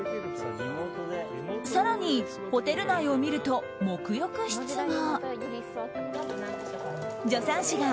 更に、ホテル内を見ると沐浴室が。